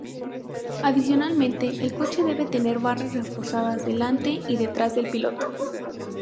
Adicionalmente, el coche debe tener barras reforzadas delante y detrás del piloto.